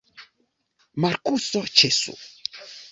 Markuso, ĉesu!